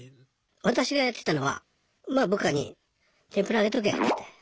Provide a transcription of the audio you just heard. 私がやってたのはまあ部下に「天ぷら揚げとけ」っつって。